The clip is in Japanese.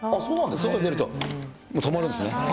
外出ると、もう止まるんですね。